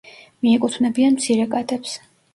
მიეკუთვნებიან მცირე კატებს.